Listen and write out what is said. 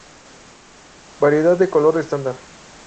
Variedad del color estándar.